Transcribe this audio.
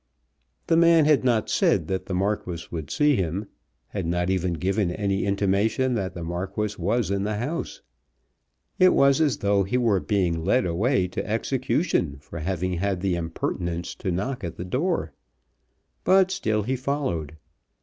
The man had not said that the Marquis would see him, had not even given any intimation that the Marquis was in the house. It was as though he were being led away to execution for having had the impertinence to knock at the door. But still he followed.